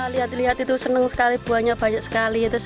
lihat lihat itu senang sekali buahnya banyak sekali